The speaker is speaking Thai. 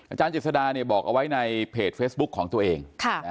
อาจารย์เจษฎาบอกเอาไว้ในเพจเฟสบุ๊คของตัวเอง